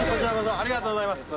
ありがとうございます。